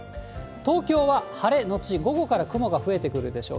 東京は晴れ後午後から雲が増えてくるでしょう。